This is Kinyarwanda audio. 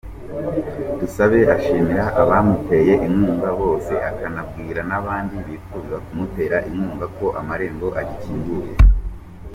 Dusabe ashimira abamuteye inkunga bose, akanabwira n’abandi bifuza kumutera inkunga ko amarembo agikinguye.